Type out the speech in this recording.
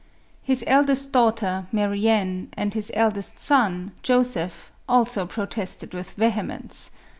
His eldest daughter, Marianne, and his eldest son, Joseph, also protested with vehemence.